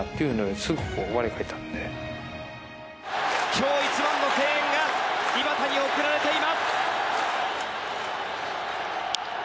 今日一番の声援が井端に送られています。